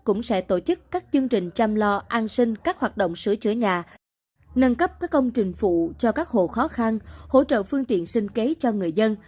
cũng sẽ tổ chức các chương trình chăm lo an sinh các hoạt động sửa chữa nhà nâng cấp các công trình phụ cho các hộ khó khăn hỗ trợ phương tiện sinh kế cho người dân